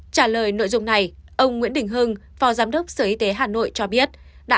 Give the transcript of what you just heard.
trả lời nội dung này ông nguyễn đình hưng phó giám đốc sở y tế hà nội cho biết đã